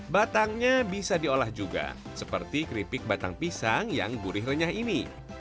batangnya bisa diolah juga seperti keripik batang pisang yang gurih renyah ini